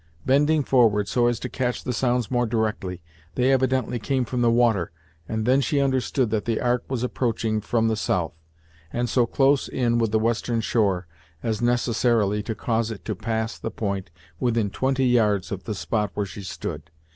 Bending forward so as to catch the sounds more directly, they evidently came from the water, and then she understood that the Ark was approaching from the south, and so close in with the western shore, as necessarily to cause it to pass the point within twenty yards of the spot where she stood.